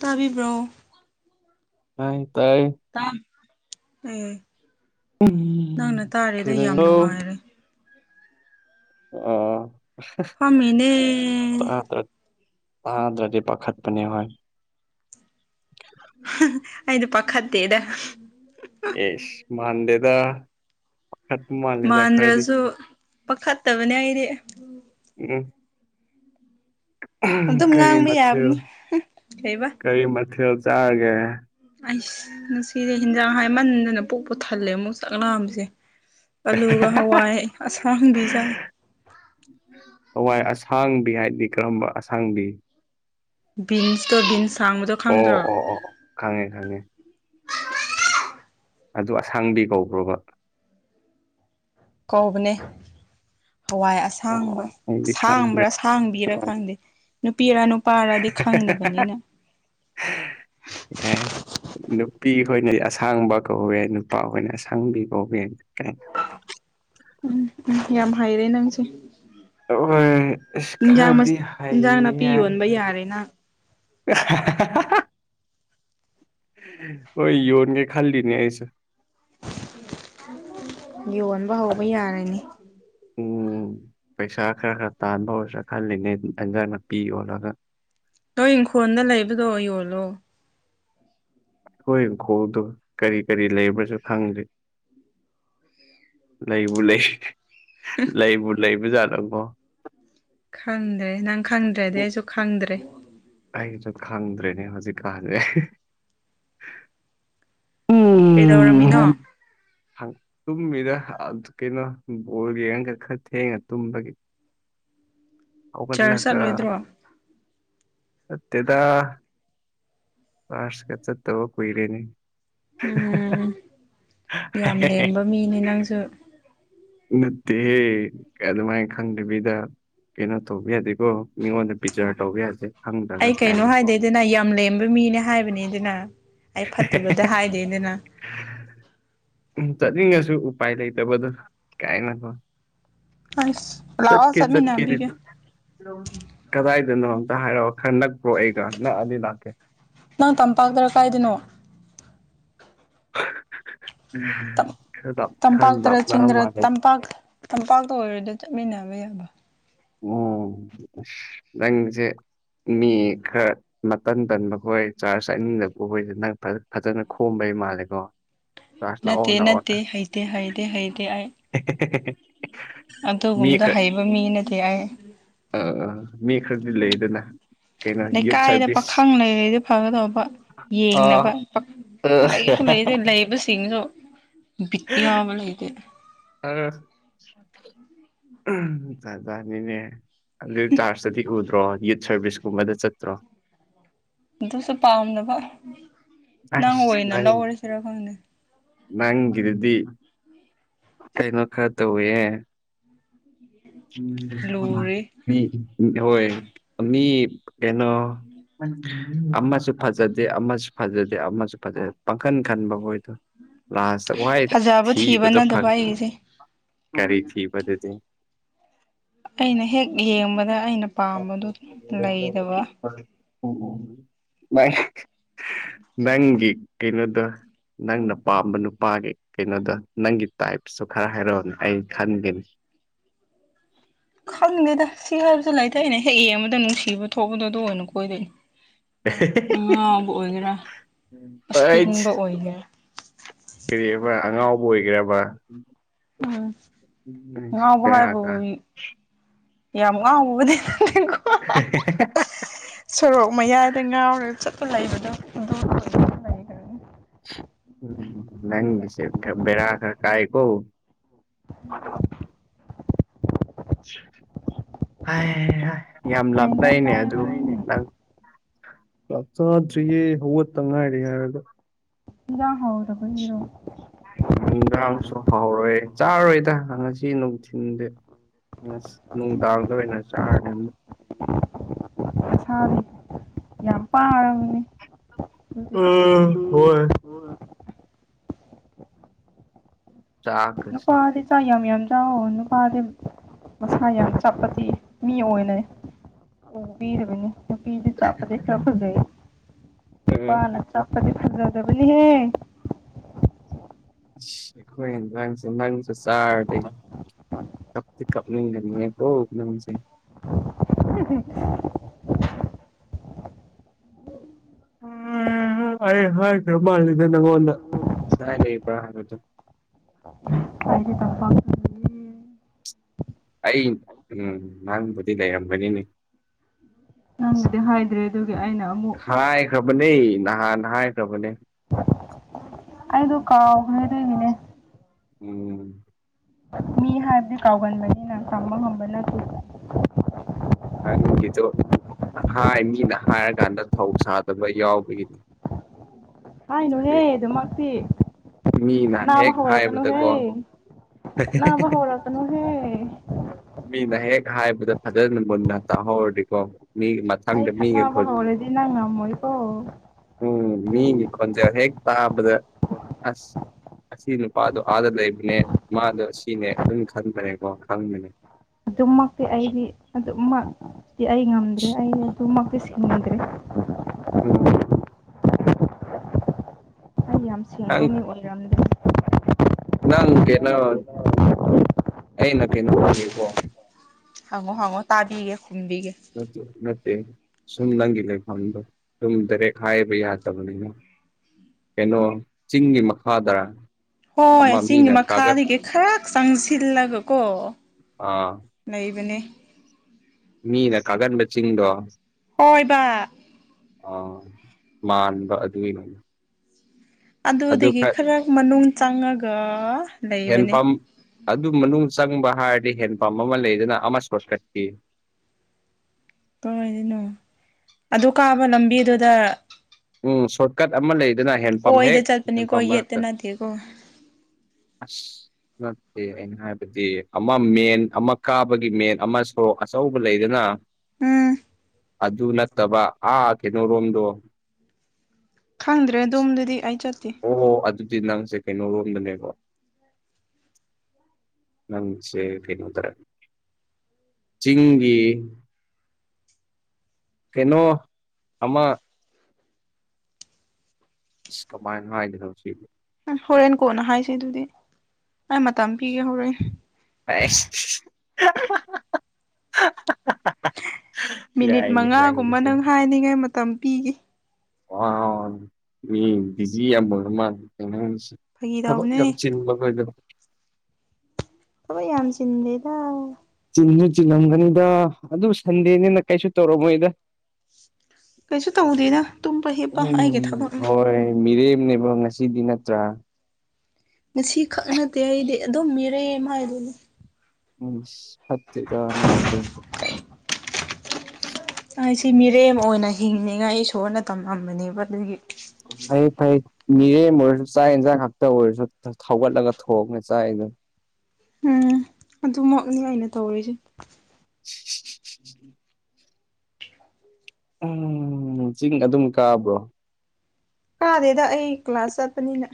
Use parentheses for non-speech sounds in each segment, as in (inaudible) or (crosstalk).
ꯇꯥꯕꯤꯕ꯭ꯔꯣ ꯇꯥꯏ ꯇꯥꯏ (unintelligible) ꯎꯝ ꯎꯝ ꯅꯪꯅ ꯇꯥꯔꯤꯗꯣ ꯌꯥꯝ ꯀꯩꯗꯧꯔꯤꯅꯣ ꯅꯨꯡꯉꯥꯏꯔꯦ ꯑꯣ ꯐꯝꯃꯤꯅꯦ ꯇꯥꯗ꯭ꯔꯗꯤ ꯄꯥꯈꯠꯄꯅꯦ ꯍꯣꯏ ꯑꯩꯗꯨ ꯄꯥꯈꯠꯇꯦꯗ ꯏꯁ ꯃꯥꯟꯗꯦꯗ ꯄꯥꯈꯠꯄ ꯃꯥꯜꯂꯦꯗ ꯈꯔꯗꯤ ꯃꯥꯟꯗ꯭ꯔꯁꯨ ꯄꯥꯈꯠꯇꯕꯅꯦ ꯑꯩꯗꯤ ꯎꯝ ꯑꯗꯨꯝ ꯀꯔꯤ ꯉꯥꯡꯕ ꯃꯊꯦꯜ ꯌꯥꯕꯅꯤ ꯀꯩꯕ ꯀꯔꯤ ꯃꯊꯦꯜ ꯆꯥꯔꯒꯦ ꯑꯩꯁ ꯅꯨꯡꯁꯤꯔꯦ ꯍꯦꯟꯖꯥꯡ ꯍꯥꯏꯃꯟꯗꯅ ꯄꯨꯛꯄꯨ ꯊꯜꯂꯦ ꯑꯃꯨꯛ ꯆꯥꯛ ꯂꯥꯝꯕꯁꯦ ꯑꯥꯜꯂꯨꯒ ꯍꯋꯥꯏ ꯑꯁꯥꯡꯕꯤꯖ ꯍꯋꯥꯏ ꯑꯁꯥꯡꯕꯤ ꯍꯥꯏꯗꯤ ꯀꯔꯝꯕ ꯑꯁꯥꯡꯕꯤ ꯕꯤꯟꯁ ꯇꯣ ꯕꯤꯟꯁ ꯁꯥꯡꯕꯗꯣ ꯑꯣ ꯑꯣ ꯈꯪꯗ꯭ꯔꯣ ꯑꯣ ꯑꯣ ꯈꯪꯉꯦ ꯈꯪꯉꯦ ꯑꯗꯨ ꯑꯁꯥꯡꯕꯤ ꯀꯧꯕ꯭ꯔꯣꯕ ꯀꯧꯕꯅꯦ ꯍꯋꯥꯏ ꯑꯁꯥꯡꯕ ꯑꯣ ꯑꯩꯗꯤ ꯈꯪꯗꯦ ꯑꯁꯥꯡꯕ꯭ꯔꯥ ꯑꯁꯥꯡꯕꯤꯔꯥ ꯈꯪꯗꯦ ꯅꯨꯄꯤꯔ ꯅꯨꯄꯥꯔꯗꯤ ꯈꯪꯗꯕꯅꯤꯅ ꯑꯦ ꯅꯨꯄꯤ ꯈꯣꯏꯅꯗꯤ ꯑꯁꯥꯡꯕ ꯀꯧꯋꯦ ꯅꯨꯄꯥ ꯈꯣꯏꯅ ꯑꯁꯥꯡꯕꯤ ꯀꯧꯕ ꯌꯥꯏꯅ ꯀꯩꯅꯣ ꯎꯝ ꯎꯝ ꯌꯥꯝ ꯍꯩꯔꯦ ꯅꯪꯁꯦ (unintelligible) ꯈꯔꯗꯤ ꯍꯩꯌꯦ ꯌꯥꯔꯦ ꯅꯪ ꯍꯣꯏ ꯌꯣꯟꯒꯦ ꯈꯜꯂꯤꯅꯦ ꯑꯩꯁꯨ ꯌꯣꯟꯕ ꯍꯧꯕ ꯌꯥꯔꯅꯤ ꯎꯝ ꯄꯩꯁꯥ ꯈꯔ ꯈꯔ ꯇꯥꯟꯕ ꯍꯧꯔꯥꯁꯤꯔ ꯈꯜꯂꯤꯅꯦ ꯑꯦꯟꯖꯥꯟ ꯅꯥꯄꯤ ꯌꯣꯜꯂꯒ ꯅꯣꯏ ꯏꯪꯈꯣꯜꯗ ꯂꯩꯕꯗꯣ ꯌꯣꯜꯂꯣ ꯑꯩꯈꯣꯏ ꯏꯪꯈꯣꯜꯗꯨ ꯀꯔꯤ ꯀꯔꯤ ꯂꯩꯕ꯭ꯔꯥꯁꯨ ꯈꯪꯗꯦ ꯂꯩꯕꯨ ꯂꯩ ꯂꯩꯕꯨ ꯂꯩꯕꯖꯥꯠꯂꯀꯣ ꯈꯪꯗ꯭ꯔꯦ ꯅꯪ ꯈꯪꯗ꯭ꯔꯗꯤ ꯎꯝ, ꯑꯩꯁꯨ ꯈꯪꯗ꯭ꯔꯦ ꯑꯩꯁꯨ ꯈꯪꯗ꯭ꯔꯦꯅꯦ ꯍꯧꯖꯤꯛꯀꯥꯟꯁꯦ ꯎꯝ ꯀꯩꯗꯧꯔꯝꯃꯤꯅꯣ ꯍꯪ- ꯇꯨꯝꯃꯤꯗ ꯑ ꯀꯩꯅꯣ ꯕꯣꯜ ꯌꯦꯉꯥꯒ ꯈꯔ ꯊꯦꯡꯅ ꯇꯨꯝꯕꯒꯤ ꯆꯔꯆ ꯍꯧꯒꯠꯂꯒ ꯆꯠꯂꯣꯏꯗ꯭ꯔꯣ ꯅꯠꯇꯦꯗ ꯀ꯭ꯂꯥꯁ ꯀꯥ ꯆꯠꯇꯕ ꯀꯨꯏꯔꯦꯅꯦ ꯎꯝ ꯌꯥꯝ ꯂꯦꯝꯕ ꯃꯤꯅꯦ ꯅꯪꯁꯨ ꯅꯠꯇꯦꯍꯦ ꯑꯗꯨꯃꯥꯏꯅ ꯈꯪꯗꯕꯤꯗ ꯀꯩꯅꯣ ꯇꯧꯕ ꯌꯥꯗꯦꯀꯣ ꯃꯤꯉꯣꯟꯗ ꯕꯤꯖꯥꯔ ꯇꯧꯕ ꯌꯥꯗꯦ ꯈꯪꯗ꯭ꯔꯒ ꯑꯩ ꯀꯩꯅꯣ ꯀꯥꯏꯅꯀꯣ ꯍꯥꯏꯗꯦꯗꯅ ꯌꯥꯝ ꯂꯦꯝꯕ ꯃꯤꯅꯦ ꯍꯥꯏꯕꯅꯤꯗꯅ ꯑꯩ ꯐꯠꯇꯕꯗ ꯍꯥꯏꯗꯦꯗꯅ ꯎꯝ ꯆꯠꯅꯤꯡꯉꯁꯨ ꯎꯄꯥꯏ ꯂꯩꯇꯕꯗꯣ ꯀꯥꯏꯅꯣ ꯀꯣ ꯑꯁ ꯂꯥꯛꯑꯣ ꯆꯠꯀꯦꯗꯤ ꯆꯠꯃꯤꯟꯅꯍꯟꯕꯤꯒꯦ ꯀꯗꯥꯏꯗꯅꯣ ꯑꯝꯇ ꯍꯥꯏꯔꯛꯑꯣ ꯈꯔ ꯅꯛꯄ꯭ꯔꯣ ꯑꯩꯒ ꯅꯛꯑꯗꯤ ꯂꯥꯛꯀꯦ ꯅꯪ ꯇꯝꯄꯥꯛꯇꯔ ꯀꯥꯏꯗꯅꯣ ꯈꯔ ꯂꯥꯞ ꯈꯔ ꯇꯝꯄꯥꯛꯇꯔ ꯂꯥꯞꯅꯕ ꯆꯤꯡꯗꯔ ꯃꯥꯂꯦ (inaudible) ꯇꯝꯄꯥꯛꯇ ꯑꯣꯏꯔꯗꯤ ꯆꯠꯃꯤꯟꯅꯕ ꯌꯥꯕ ꯎꯝ ꯅꯪꯁꯦ ꯃꯤ ꯈꯔ ꯃꯇꯟ ꯇꯟꯕ ꯈꯣꯏ ꯆꯥꯔꯖ ꯆꯠꯅꯤꯡꯗꯕꯈꯣꯏꯁꯦ ꯅꯪ ꯐꯖꯅ ꯈꯣꯝꯕꯩ ꯃꯥꯜꯂꯦꯀꯣ ꯆꯥꯔꯖ ꯂꯥꯛꯑꯣ ꯅꯠꯇꯦ ꯂꯥꯛꯑꯣꯅ ꯅꯠꯇꯦ ꯍꯩꯇꯦ ꯍꯩꯗꯦ ꯍꯩꯗꯦ ꯑꯩ (unintelligible) ꯃꯤ ꯑꯗꯨꯒꯨꯝꯕꯗꯣ ꯍꯩꯕ ꯃꯤ ꯅꯠꯇꯦ ꯑꯩ ꯑꯥ ꯑꯥ ꯃꯤ ꯈ꯭ꯔꯗꯤ ꯂꯩꯗꯅ ꯀꯩꯅꯣ ꯌꯨꯠ ꯂꯩꯀꯥꯏꯗ ꯁꯔꯚꯤꯁ ꯄꯥꯈꯪ ꯂꯩꯔꯗ ꯐꯒꯗꯧꯕ ꯌꯦꯡꯅꯕ ꯑ ꯑ ꯂꯩꯁꯨ ꯂꯩꯇꯦ ꯂꯩꯕꯁꯤꯡꯁꯨ ꯕꯤꯠ ꯌꯥꯎꯕ ꯂꯩꯇꯦꯗ ꯑꯥ (unintelligible) ꯖꯥꯠ ꯖꯥꯠꯅꯤꯅꯦ ꯑꯗꯨ ꯆꯥꯔꯖꯇꯗꯤ ꯎꯗ꯭ꯔꯣ ꯌꯨꯠ ꯁꯥꯔꯚꯤꯁꯀꯨꯝꯕꯗ ꯆꯠꯇ꯭ꯔꯣ ꯑꯗꯨꯁꯨ ꯄꯥꯝꯗꯕ ꯅꯪ ꯑꯁ ꯑꯣꯏꯅ ꯅꯪ ꯂꯧꯔꯁꯤꯔ ꯈꯪꯗꯦ ꯅꯪꯒꯤꯗꯨꯗꯤ ꯀꯩꯅꯣ ꯈꯔ ꯇꯧꯋꯦꯍꯦ (unintelligible) (unintelligible) ꯂꯨꯔꯤ ꯃꯤ (unintelligible) ꯃꯤ ꯀꯩꯅꯣ ꯑꯃꯁꯨ ꯐꯖꯗꯦ ꯑꯃꯁꯨ ꯐꯖꯗꯦ ꯑꯃꯁꯨ ꯐꯖꯗꯦ ꯄꯡꯈꯟ ꯈꯟꯕ ꯈꯣꯏꯗꯣ ꯂꯥꯁꯇ ꯋꯥꯏꯗ ꯐꯖꯕ ꯊꯤꯕ ꯊꯤꯕꯗꯣ ꯅꯠꯇꯕ ꯐꯪ ꯑꯩꯒꯤꯁꯦ ꯀꯔꯤ ꯊꯤꯕꯗꯨꯗꯤ ꯑꯩꯅ ꯍꯦꯛ ꯌꯦꯡꯕꯗ ꯑꯩꯅ ꯄꯥꯝꯕꯗꯨ ꯂꯩꯇꯕ (unintelligible) ꯅꯪ ꯅꯪꯒꯤ ꯀꯩꯅꯣꯗꯨ ꯅꯪꯅ ꯄꯥꯝꯕ ꯅꯨꯄꯥꯒꯤ ꯀꯩꯅꯣꯗꯣ ꯅꯪꯒꯤ ꯇꯥꯏꯞꯁꯨ ꯈꯔ ꯍꯥꯏꯔꯛꯑꯣꯅ ꯑꯩ ꯈꯟꯒꯦꯅꯦ ꯈꯪꯗꯦꯗ ꯁꯤ ꯍꯥꯏꯕꯁꯨ ꯂꯩꯇꯦ ꯑꯩꯅ ꯍꯦꯛ ꯌꯦꯡꯕꯗ ꯅꯨꯡꯁꯤꯕ ꯊꯣꯛꯄꯗꯣ ꯑꯗꯨ ꯑꯣꯏꯅ ꯀꯣꯏꯗꯣꯏꯅꯤ ꯑꯉꯥꯎꯕ ꯑꯣꯏꯒꯦꯔꯥ ꯑꯁꯤꯡꯕ ꯑꯣꯏꯒꯦꯔꯥ ꯀꯔꯤ ꯍꯥꯏꯕ ꯑꯉꯥꯎꯕ ꯑꯣꯏꯒꯦꯔꯕ ꯎꯝ ꯉꯥꯎꯕ ꯍꯥꯏꯕꯨ (unintelligible) ꯌꯥꯝ ꯉꯥꯎꯕꯅꯦ (unintelligible) ꯁꯣꯔꯣꯛ ꯃꯌꯥꯏꯗ ꯉꯥꯎꯔꯒ ꯆꯠꯄ ꯂꯩꯕꯗꯣ ꯑꯗꯨ ꯀꯩ ꯎꯝ ꯅꯪꯒꯤꯁꯦ ꯈꯔ ꯕꯦꯔꯥ ꯈꯔ ꯀꯥꯏ ꯀꯣ ꯍꯩ ꯍꯥꯏ ꯌꯥꯝ ꯏꯟꯖꯥꯡ ꯂꯥꯞꯂꯩꯅꯦ ꯆꯥꯏꯌꯦꯕ ꯑꯗꯨ ꯅꯪꯗꯤ ꯅꯪ ꯆꯥꯛ ꯆꯥꯗ꯭ꯔꯤꯌꯦ ꯍꯧꯒꯠꯇ ꯉꯥꯏꯔꯤ ꯍꯥꯏꯔꯒ ꯏꯟꯖꯥꯡ ꯍꯥꯎꯇꯕꯒꯤꯔꯣ ꯅꯤꯡꯒꯥꯡꯁꯨ ꯍꯥꯎꯔꯦ ꯆꯥꯔꯔꯣꯏꯗ ꯉꯁꯤ ꯅꯨꯡꯊꯤꯟꯗꯤ ꯉꯁ ꯅꯨꯡꯗꯥꯡꯗ ꯑꯣꯏꯅ ꯆꯥꯔꯅꯤ ꯑꯃꯨꯛ ꯅꯁꯥꯗꯤ ꯌꯥꯝ ꯑꯃꯨꯛ ꯄꯥꯔꯕꯅꯤ ꯑꯗꯨꯗꯤ ꯎꯝ ꯍꯣꯏ ꯆꯥꯛꯀꯁꯦ ꯅꯨꯄꯥꯗꯤ ꯆꯥꯛ ꯌꯥꯝ ꯌꯥꯝ ꯆꯥꯎꯑꯣ ꯅꯨꯄꯥꯗꯤ ꯃꯁꯥ ꯌꯥꯝ ꯆꯞꯄꯗꯤ ꯃꯤ ꯎꯝ ꯑꯣꯏꯅ ꯎꯕꯤꯗꯕꯅꯤ ꯅꯨꯄꯤꯗꯤ ꯆꯞꯄꯗꯤ ꯈꯔ ꯐꯖꯩ ꯅꯨꯄꯥꯅ ꯆꯞꯄꯗꯤ ꯐꯖꯗꯕꯅꯤꯍꯦ ꯑꯁ ꯑꯩꯈꯣꯢ ꯏꯟꯖꯥꯡꯁꯦ ꯅꯪꯁꯨ ꯆꯥꯔꯗꯤ ꯀꯞꯇꯤ ꯀꯞꯅꯤꯡꯒꯗꯨꯅꯤꯀꯣ ꯅꯝꯁꯦ (unintelligible) ꯑꯩ ꯍꯥꯏꯈ꯭ꯔ ꯃꯥꯜꯂꯤꯗ ꯅꯪꯉꯣꯟꯗ ꯀꯗꯥꯏ ꯂꯩꯕ꯭ꯔꯥ ꯍꯥꯏꯕꯗꯣ (inaudible) (unintelligible) ꯑꯩ ꯎꯝ ꯅ‌ꯪꯕꯨꯗꯤ ꯂꯩꯔꯝꯒꯅꯤꯅꯦ ꯗꯤ ꯍꯥꯏꯗ꯭ꯔꯦ ꯑꯗꯨꯒꯤ ꯑꯩꯅ ꯑꯃꯨꯛ ꯈ꯭ꯔꯕꯅꯦ ꯅꯍꯥꯟꯅ ꯍꯥꯏꯈ꯭ꯔꯕꯅꯦ ꯑꯩꯗꯣ ꯀꯥꯎꯕꯅꯦ ꯑꯗꯨꯒꯤꯅꯦ ꯎꯝ ꯃꯤ ꯍꯥꯏꯕꯗꯤ ꯀꯥꯎꯒꯟꯕꯅꯤꯅꯥ ꯇꯝꯕ ꯉꯝꯕ ꯅꯠꯇꯦ ꯅꯪꯒꯤꯗ‌ꯣ ꯍꯥꯢ ꯃꯤꯅ ꯍꯥꯏꯔꯀꯥꯟꯗ ꯊꯧ ꯁꯥꯗꯕ ꯌꯥꯎꯕꯒꯤꯅꯤ (inaudible) ꯍꯥꯏꯅꯨꯍꯦ ꯍꯥꯏꯗꯤ ꯑꯗꯨꯃꯛꯇꯤ ꯃꯤꯅ ꯈꯠꯅꯕ ꯍꯦꯛ ꯍꯧꯔꯛꯀꯅꯨꯍꯦ ꯍꯥꯏꯕꯗꯀꯣ ꯈꯠꯅꯕ ꯍꯧꯔꯛꯀꯅꯨꯍꯦ ꯃꯤꯅ ꯍꯦꯛ ꯍꯥꯏꯕꯗ ꯐꯖꯅ ꯃꯨꯟꯅ ꯇꯥꯍꯧꯔꯗꯤꯀꯣ ꯃꯤ ꯃꯥ ꯑꯩ ꯈꯠꯅꯕ ꯍꯧꯔꯗꯤ ꯅꯪ ꯉꯝꯃꯣꯏꯀꯣ ꯎꯝ ꯃꯤꯒꯤ ꯈꯣꯟꯖꯦꯜ ꯍꯦꯛ ꯇꯥꯕꯗ ꯑꯁ ꯑꯁꯤ ꯅꯨꯄꯥꯗꯣ ꯑꯥꯗ ꯂꯩꯕꯅꯦ ꯃꯥꯗꯣ ꯁꯤꯅꯦ ꯑꯗꯨꯝ ꯈꯟꯕꯅꯦꯀꯣ ꯈꯪꯕꯅꯦ ꯑꯗꯨꯝꯃꯛꯇꯤ ꯑꯩꯗꯤ ꯑꯗꯨꯃꯛꯇꯤ ꯑꯩ ꯉꯝꯗ꯭ꯔꯦ ꯑꯩ ꯑꯗꯨꯃꯛꯇꯤ ꯁꯤꯡꯗ꯭ꯔꯦ ꯎꯝ ꯑꯩ ꯌꯥꯝ ꯁ‌ꯦꯡꯕ ꯅꯪ ꯃꯤ ꯑꯣꯏꯔꯝꯗꯦ ꯅꯪ ꯀꯩꯅꯣ ꯑꯩꯅ ꯀꯩꯅꯣ ꯍꯪꯒꯦꯀꯣ ꯍꯪꯉꯣ ꯍꯪꯉꯣ ꯇꯥꯕꯤꯒꯦ ꯈꯨꯝꯕꯤꯒꯦ ꯅꯠꯇꯦ ꯅꯠꯇꯦ ꯁꯨꯝ ꯅꯪꯒꯤ ꯂꯩꯐꯝꯗꯣ ꯁꯨꯝ ꯗꯔꯦ‌꯭ꯛ ꯍꯥꯏꯕ ꯌꯥꯗꯕꯅꯤꯅ ꯀꯩꯅꯣ ꯆꯤꯡꯒꯤ ꯃꯈꯥ ꯗ‌꯭ꯔꯥ ꯍꯣꯏ ꯆꯤꯡꯒꯤ ꯃꯈꯥꯗꯒꯤ ꯈꯔꯛ ꯆꯪꯁꯤꯜꯂꯒ ꯀꯣ ꯑꯥ ꯂꯩꯕꯅꯤ ꯃꯤꯅ ꯀꯥꯒꯟꯕ ꯆꯤꯡꯗꯣ ꯍꯣꯏꯕ ꯑ ꯃꯥꯟꯕ ꯑꯗꯨꯒꯤꯅꯦ ꯑꯗꯨꯗꯒꯤ ꯈꯔ ꯃꯅꯨꯡ ꯆꯪꯉꯒ ꯂꯩꯕꯅꯦ ꯍꯦꯟꯄꯝ ꯑꯗꯨ ꯃꯅꯨꯡ ꯆꯪꯕ ꯍꯥꯏꯔꯗꯤ ꯍꯦꯟ ꯄꯝ ꯑꯃ ꯂꯩꯗꯅ ꯑꯃ (unintelligible) ꯀꯥꯏꯗꯅꯣ ꯑꯗꯨ ꯀꯥꯕ ꯂꯝꯕꯤꯗꯨꯗ ꯎꯝ ꯁꯣꯔꯠꯀꯠ ꯑꯃ ꯂꯩꯗꯅ ꯍꯦꯟꯄꯝ ꯍꯦꯛ ꯑꯣꯏꯗ ꯆꯠꯄꯅꯤꯀꯣ ꯍꯦꯟꯄꯝ ꯌꯦꯠꯇ ꯃꯔꯛꯇ ꯅꯠꯇꯦꯀꯣ ꯑꯁ ꯅꯠꯇꯦꯃꯦ ꯍꯥꯏꯕꯗꯤ ꯑꯃ ꯃꯦꯟ ꯑꯃ ꯀꯥꯕꯒꯤ ꯃꯦꯟ ꯑꯃ ꯁꯣꯔꯣꯛ ꯑꯆꯧꯕ ꯂꯩꯗꯅ ꯎꯝ ꯑꯗꯨ ꯅꯠꯇꯕ ꯑꯥ ꯀꯩꯅꯣꯔꯣꯝꯗꯣ ꯈꯪꯗ꯭ꯔꯦ ꯑꯗꯨꯝꯗꯨꯗꯤ ꯑꯩ ꯆꯠꯇꯦ ꯑꯣ ꯍꯣ ꯑꯗꯨꯗꯤ ꯅꯪꯁꯦ ꯀꯩꯅꯣꯔꯣꯝꯗꯅꯦꯕ ꯅꯪꯁꯦ ꯀꯩꯅꯣ ꯗꯔꯤ ꯆꯤꯡꯒꯤ ꯀꯩꯅꯣ ꯑꯃ ꯀꯃꯥꯏꯅ ꯍꯥꯏꯒꯗꯧꯕꯅꯣ ꯁꯤ ꯍꯣꯔꯦꯟ ꯀꯣꯟꯅ ꯍꯥꯏꯁꯦ ꯑꯗꯨꯗꯤ ꯑꯩ ꯃꯇꯝ ꯄꯤꯒꯦ ꯍꯣꯔꯦꯟ ꯑꯁ (unintelligible) ꯃꯤꯅꯤꯠ ꯃꯉꯥꯒꯨꯝꯕ ꯅꯪ ꯍꯥꯏꯅꯤꯡꯉꯥꯏ ꯃꯇꯝ ꯄꯤꯒꯦ ꯋꯥ ꯃꯤ ꯕꯤꯖꯤ ꯌꯥꯝ ꯑꯣꯢꯕ ꯃꯥꯜꯂꯤꯒꯣ ꯐꯥꯒꯤ ꯊꯕꯛ ꯇꯧꯕꯅꯦ ꯌꯥꯝ ꯆꯤꯟꯕꯒ ꯑꯣꯏꯗꯕ ꯊꯕꯛ ꯌꯥꯝ ꯆꯤꯟꯗꯦꯗ ꯆꯤꯟꯁꯨ ꯆꯤꯡꯉꯝꯒꯅꯤꯗ ꯑꯗꯨ ꯁꯟꯗꯦꯅꯤꯅ ꯀꯩꯁꯨ ꯇꯧꯔꯝꯃꯣꯏꯗ ꯀꯩꯁꯨ ꯇꯧꯗꯦꯗ ꯇꯨꯝꯕ ꯍꯤꯞꯄ ꯑꯩꯒꯤ ꯎꯝ ꯊꯕꯛꯅꯤ ꯍꯣꯏ ꯃꯤꯔꯦꯝꯅꯦꯕ ꯉꯁꯤꯗꯤ ꯅꯠꯇ꯭ꯔꯥ ꯉꯁꯤ ꯈꯛ ꯅꯠꯇꯦ ꯑꯩꯗꯤ ꯑꯗꯨꯝ ꯃꯤꯔꯦꯝ ꯍꯥꯏꯗꯨꯅꯤ ꯎꯝ ꯐꯠꯇꯦꯗ ꯅꯪꯒꯤꯗꯨ ꯑꯩ ꯁꯤ ꯃꯤꯔꯦꯝ ꯑꯣꯏꯅ ꯍꯤꯡꯅꯤꯡꯉꯥꯏ ꯏꯁꯣꯔꯅ ꯇꯝꯂꯝꯕꯅꯦꯕ ꯑꯗꯨꯒꯤ ꯐꯩ ꯐꯩ ꯃꯤꯔꯦꯝ ꯑꯣꯏꯔꯁꯨ ꯆꯥꯛ ꯌꯦꯟꯁꯥꯡ ꯉꯥꯛꯇ ꯑꯣꯏꯔꯁꯨ ꯊꯣꯡꯒꯠꯂꯒ ꯊꯣꯛꯉ ꯆꯥꯏꯅꯦ ꯎꯝ ꯑꯗꯨꯃꯛꯅꯤ ꯑꯩꯅ ꯇꯧꯔꯤꯁꯦ ꯎꯝ (unintelligible) ꯎꯝ ꯆꯤꯡꯗ ꯑꯗꯨꯝ ꯀꯥꯕ꯭ꯔꯣ ꯀꯥꯗꯦꯗ ꯑꯩ ꯀ꯭ꯂꯥꯁ ꯆꯠꯄꯅꯤꯅ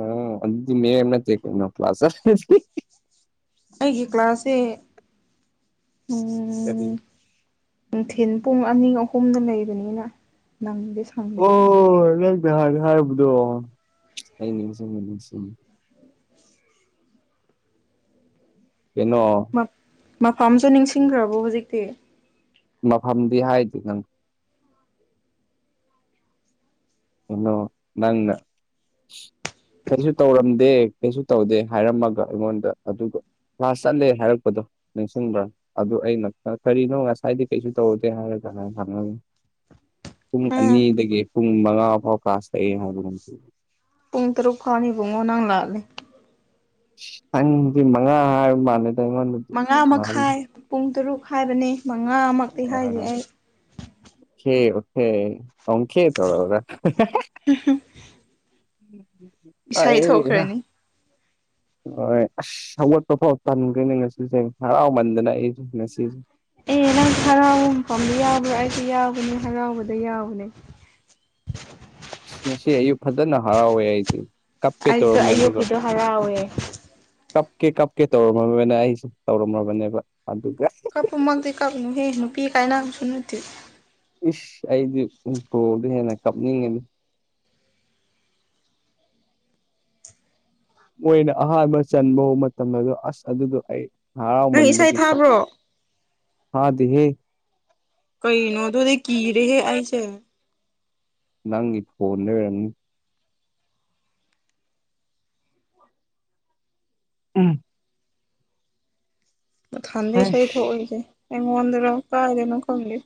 ꯑꯣ ꯑꯗꯨꯗꯤ ꯃꯤꯔꯦꯝ ꯅꯠꯇꯦ ꯀꯩꯅꯣ ꯀ꯭ꯂꯥꯁ ꯆꯠꯂꯗꯤ ꯑꯩꯒꯤ ꯀ꯭ꯂꯥꯁꯁꯦ ꯀꯔꯤ ꯑꯝ ꯅꯨꯡꯊꯤꯟ ꯄꯨꯡ ꯑꯅꯤ ꯑꯍꯨꯝꯗ ꯂꯩꯕꯅꯤꯅ ꯅꯪꯗꯦ ꯑꯣ ꯅꯪꯅ ꯅꯍꯥꯟ ꯍꯥꯏꯕꯗꯣ ꯑꯩ ꯅꯤꯡꯁꯤꯡꯉꯦ ꯅꯤꯡꯁꯤꯡꯉꯦ ꯀꯩꯅꯣ ꯃꯐꯝꯁꯨ ꯅꯤꯡꯁꯤꯡꯈ꯭ꯔꯕꯣ ꯍꯧꯖꯤꯛꯇꯤ ꯃꯐꯝꯗꯤ ꯍꯥꯏꯗꯦ ꯅꯪ ꯀꯩꯅꯣ ꯅꯪꯅ ꯀꯩꯔꯤꯁꯨ ꯇꯧꯔꯝꯗꯦ ꯀꯩꯁꯨ ꯇꯧꯗꯦ ꯍꯥꯏꯔꯝꯃꯒ ꯑꯩꯉꯣꯟꯗ ꯑꯗꯨꯒ ꯀ꯭ꯂꯥꯁ ꯆꯠꯂꯦ ꯍꯥꯏꯔꯛꯄꯗꯣ ꯅꯤꯡꯁꯤꯡꯕ꯭ꯔꯥ ꯑꯗꯨ ꯑꯩꯅ ꯀꯔꯤꯅꯣ ꯉꯁꯥꯏꯗꯤ ꯀꯩꯁꯨ ꯇꯧꯗꯦ ꯍꯥꯏꯔꯒ ꯍꯥꯏ ꯍꯪꯉꯒ ꯄꯨꯡ ꯑꯅꯤꯗꯒꯤ ꯄꯨꯡ ꯃꯉꯥ ꯐꯥꯎ ꯀ꯭ꯂꯥꯁ ꯂꯩ ꯍꯥꯢꯕꯒꯨꯝ ꯄꯨꯡ ꯇꯔꯨꯛꯐꯥꯎꯡ ꯅꯤꯕꯨꯡꯉꯣ ꯅꯪ ꯂꯥꯛꯑꯦ ꯅꯪꯗꯤ ꯃꯉꯥ ꯃꯥꯜꯂꯦꯗ ꯑꯩꯉꯣꯟꯗꯗꯤ ꯃꯉꯥ ꯃꯈꯥꯏ ꯄꯨꯡ ꯇꯔꯨꯛ ꯍꯥꯏꯕꯅꯤ ꯃꯉꯥꯃꯨꯛꯇꯤ ꯍꯥꯏꯗꯦ ꯑꯩ ꯑꯣꯒꯦ ꯑꯣꯒꯦ ꯑꯣꯒꯦ ꯇꯧꯔꯒ ꯎꯝ ꯏꯁꯩ ꯊꯣꯛꯈ꯭ꯔꯅꯤ ꯍꯣꯏ ꯑꯁ ꯍꯧꯒꯠꯄ ꯐꯥꯎ ꯇꯟꯈꯔꯦꯅꯦ ꯉꯁꯤꯁꯦ ꯍꯔꯥꯎꯃꯟꯗꯅ ꯑꯩꯁꯦ ꯉꯁꯤꯁꯦ ꯑꯦ ꯅꯪ ꯍꯔꯥꯎꯕ ꯃꯐꯝꯗ ꯌꯥꯎꯕ꯭ꯔꯥ ꯑꯩꯁꯨ ꯌꯥꯎꯕꯅꯦ ꯍꯔꯥꯎꯕꯗ ꯌꯥꯎꯕꯅꯦ ꯉꯁꯤ ꯑꯌꯨꯛ ꯐꯖꯅ ꯍꯔꯥꯎꯋꯦ ꯑꯩꯗꯤ ꯀꯞꯀꯦ ꯑꯩꯖꯨ ꯇꯧꯔꯝꯃꯦ ꯑꯗꯨꯒ ꯑꯌꯨꯛꯀꯤꯗꯣ ꯍꯔꯥꯎꯋꯦ ꯀꯞꯀꯦ ꯀꯞꯀꯦ ꯇꯧꯔꯝꯃꯕꯅꯦ ꯑꯩꯁꯦ ꯇꯧꯔꯝꯃꯕꯅꯦꯕ ꯑꯗꯨꯒ ꯑꯁ ꯀꯞꯄꯃꯛꯇꯤ ꯀꯞꯅꯨ ꯍꯦ ꯅꯨꯄꯤ ꯀꯥꯏꯅꯕꯁꯨ ꯅꯠꯇꯦ ꯏꯁ ꯑꯩꯗꯤ ꯎꯄꯣꯗ ꯍꯦꯟꯅ ꯀꯞꯅꯤꯡꯉꯤꯅꯤ ꯃꯣꯏꯅ ꯑꯍꯥꯟꯕ ꯆꯟꯕ ꯍꯣ ꯃꯇꯝꯗꯖꯨ ꯑꯁ ꯑꯗꯨꯗꯣ ꯑꯩ ꯅꯪ ꯏꯁꯩ ꯍꯔꯥꯎꯃꯟꯕꯒꯤ ꯀꯞ ꯊꯥꯕ꯭ꯔꯣ ꯐꯥꯗꯦ ꯍꯦ ꯀꯩꯩꯅꯣ ꯑꯗꯨꯗꯤ ꯀꯤꯔꯦꯍꯦ ꯑꯩꯁꯦ ꯅꯪꯒꯤ ꯐꯣꯟꯗꯩ ꯑꯣꯏꯔꯝꯅꯤ ꯎꯝ ꯃꯊꯟꯗ ꯏꯁꯩ ꯑꯩꯁ ꯊꯣꯛꯏꯖꯦ ꯑꯩꯉꯣꯟꯗꯔꯣ ꯀꯥꯏꯗꯅꯣ ꯈꯪꯗꯦ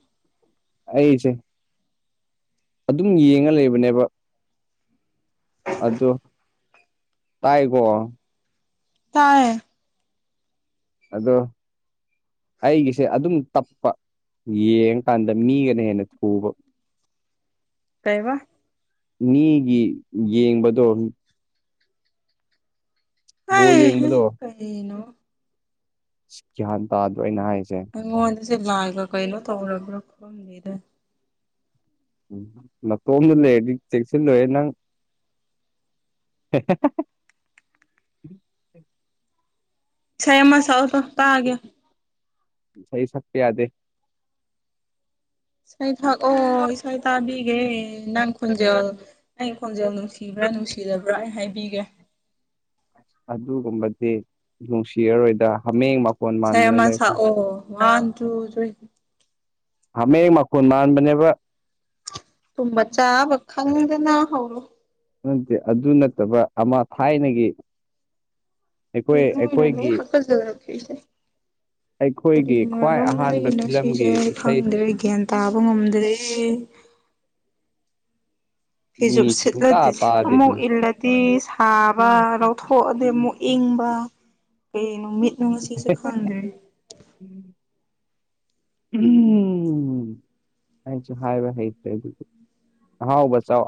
ꯑꯩꯁꯦ ꯑꯗꯨꯝ ꯌꯦꯡꯉ ꯂꯩꯕꯅꯦꯕ ꯑꯗꯨ ꯇꯥꯏꯀꯣ ꯇꯥꯏꯌꯦ ꯑꯗꯣ ꯑꯩꯒꯤꯁꯦ ꯑꯗꯨꯝ ꯇꯞꯄ ꯌꯦꯡꯉꯀꯥꯟꯗ ꯃꯤꯒꯅ ꯍꯦꯟꯅ ꯊꯨꯕ ꯀꯩꯕ ꯃꯤꯒꯤ ꯌꯦꯡꯕꯗꯣ ꯕꯣꯜ ꯍꯩꯍꯥ ꯌꯦꯡꯕꯗꯣ ꯀꯩꯅꯣ ꯒ꯭ꯌꯥꯟ ꯇꯥꯗ꯭ꯔꯣ ꯑꯩꯅ ꯍꯥꯏꯖꯦ ꯑꯩꯉꯣꯟꯗꯁꯦ ꯂꯥꯏꯒ ꯀꯩꯅꯣ ꯇꯧꯔꯕ꯭ꯔꯥ ꯈꯪꯗꯦꯗ ꯎꯝ ꯅꯇꯣꯝꯗ ꯂꯩꯔꯗꯤ ꯆꯦꯛꯁꯤꯜꯂꯣꯍꯦ ꯅꯪ (unintelligible) ꯏꯁꯩ ꯑꯃꯥ ꯁꯛꯑꯣꯇꯣ ꯇꯥꯒꯦ ꯏꯁꯩ ꯁꯛꯄ ꯌꯥꯗꯦ ꯏꯁꯩ ꯊꯛꯑꯣ ꯏꯁꯩ ꯇꯥꯕꯤꯒꯦ ꯅꯪ ꯈꯣꯟꯖꯦꯜ ꯑꯩ ꯈꯣꯟꯖꯦꯜ ꯅꯨꯡꯁꯤꯕ꯭ꯔꯥ ꯅꯨꯡꯁꯤꯗꯕ꯭ꯔꯥ ꯑꯩ ꯍꯥꯏꯕꯤꯒꯦ ꯑꯗꯨꯒꯨꯝꯕꯗꯤ ꯅꯨꯡꯁꯤꯔꯔꯣꯏꯗ ꯍꯥꯃꯦꯡ ꯃ ꯏꯁꯩ ꯑꯃꯥ ꯁꯛꯑꯣ ꯋꯥꯟ ꯇꯨ ꯊꯤꯟ ꯍꯥꯃꯦꯡ ꯃꯈꯣꯟ ꯃꯥꯟꯕꯅꯦꯕ ꯇꯨꯝꯕ ꯆꯥꯕ ꯈꯪꯗꯅꯥ ꯍꯧꯔꯣ ꯅꯠꯇꯦ ꯑꯗꯨ ꯅꯠꯇꯕ ꯑꯃ ꯊꯥꯏꯅꯒꯤ ꯑꯩꯈꯣꯏ ꯀꯩꯅꯣ ꯑꯣꯏꯅ ꯂꯣꯏ ꯑꯩꯈꯣꯏꯒꯤ ꯍꯥꯀꯠꯖꯔꯛꯏꯁꯦ ꯀꯔꯤ ꯑꯩꯈꯣꯏꯒꯤ ꯈ꯭ꯋꯥꯏ ꯑꯍꯥꯟꯕ ꯃꯔꯝꯗꯒꯤꯅꯣ ꯁꯤꯁꯦ ꯐꯤꯂꯝꯒꯤ ꯑꯩ ꯏꯁꯩ ꯈꯪꯗ꯭ꯔꯦ ꯒ꯭ꯌꯥꯟ ꯇꯥꯕ ꯉꯝꯗ꯭ꯔꯦ ꯐꯤꯖꯨꯞ ꯃꯤꯁꯤ ꯁꯨꯡꯇꯥ ꯁꯤꯠꯂꯗꯤ ꯑꯃꯨꯛ ꯇꯥꯗꯦꯅꯦ ꯏꯜꯂ ꯗꯤ ꯁꯥꯕ ꯂꯧꯊꯣꯛꯑꯗꯤ ꯑꯃꯨꯛ ꯏꯪꯕ ꯀꯩ ꯅꯨꯃꯤꯠ ꯅꯣ ꯉꯁꯤꯁꯨ ꯈꯪꯗ꯭ꯔꯦ ꯎꯝ.. ꯑꯩꯁꯨ ꯍꯥꯏꯕ ꯍꯩꯇ꯭ꯔꯦ ꯑꯗꯨꯗꯤ ꯑꯍꯥꯎꯕꯆꯥꯎ